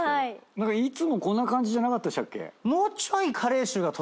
何かいつもこんな感じじゃなかったでしたっけ？